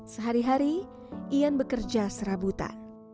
sehari hari iyan bekerja serabuta